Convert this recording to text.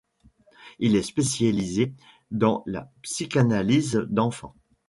Il est spécialisé dans la psychanalyse d'enfants.